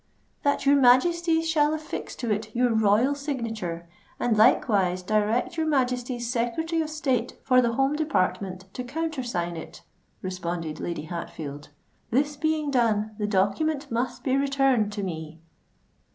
"That your Majesty shall affix to it your royal signature, and likewise direct your Majesty's Secretary of State for the Home Department to countersign it," responded Lady Hatfield. "This being done, the document must be returned to me."